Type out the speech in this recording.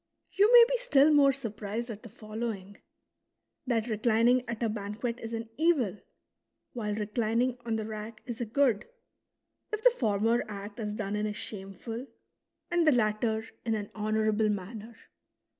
You may be still more surprised at the following, — that reclining at a banquet is an evil, while reclining on the rack is a good, if the former act is done in a shameful, and" the latter in an honourable mannei'.